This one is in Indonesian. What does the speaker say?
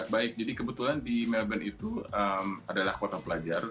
baik jadi kebetulan di melbourne itu adalah kota pelajar